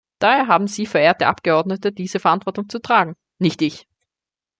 Daher haben Sie, verehrte Abgeordnete, diese Verantwortung zu tragen, nicht ich.